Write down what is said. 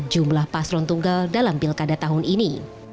jumlah paslon tunggal dalam pilkada tahun ini